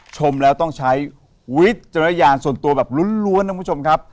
ชมแล้วต้องใช้วิจารณญาณส่วนตัวแบบล้วนนะคุณผู้ชมครับ